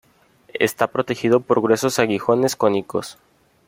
Está protegido por gruesos aguijones cónicos.